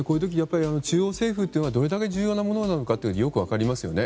中央政府というのがどれだけ重要なものなのかがよく分かりますよね。